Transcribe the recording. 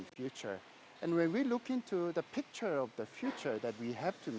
dan ketika kami melihat gambar masa depan